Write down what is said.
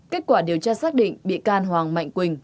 kết quả điều tra xác định bị can hoàng mạnh quỳnh